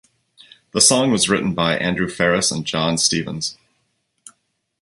The song was written by Andrew Farriss and Jon Stevens.